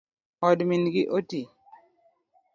Od min gi otii